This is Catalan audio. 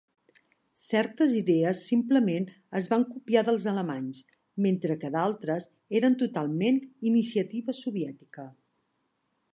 Certes idees simplement es van copiar dels alemanys, mentre que d'altres eren totalment iniciativa soviètica.